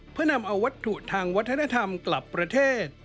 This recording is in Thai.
เพื่อนำเอาวัตถุทางวัฒนธรรมกลับประเทศ